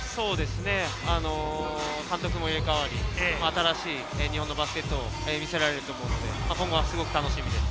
監督も入れ替わり、新しい日本のバスケを見せられると思うので、今後がすごく楽しみです。